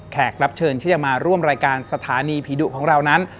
รับเชิญที่จะมาร่วมรายการสถานีผีดุของเรานั้น